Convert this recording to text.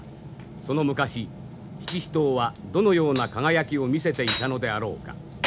その昔七支刀はどのような輝きを見せていたのであろうか。